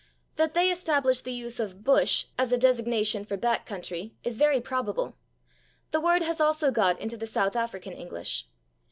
That they established the use of /bush/ as a designation for back country is very probable; the word has also got into South African English.